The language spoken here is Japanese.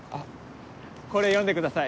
これ読んでください。